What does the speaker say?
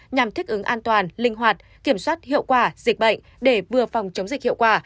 nhằm thích ứng an toàn linh hoạt kiểm soát hiệu quả dịch bệnh để vừa phòng chống dịch hiệu quả